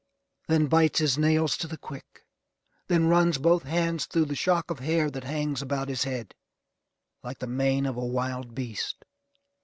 Then bites his nails to the quick. Then runs both hands through the shock of hair that hangs about his head like the mane of a wild beast.